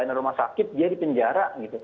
eneroma sakit dia dipenjara